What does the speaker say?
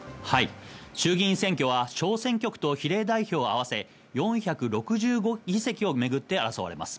衆議院選挙は総選挙区と比例代表を合わせ４６５議席をめぐって争われます。